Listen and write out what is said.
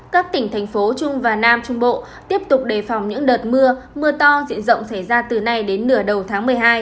các tỉnh thành phố trung và nam trung bộ tiếp tục đề phòng những đợt mưa mưa to diện rộng xảy ra từ nay đến nửa đầu tháng một mươi hai